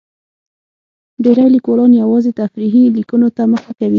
ډېری لیکوالان یوازې تفریحي لیکنو ته مخه کوي.